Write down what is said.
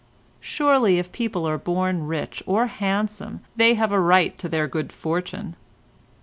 Surely if people are born rich or handsome they have a right to their good fortune.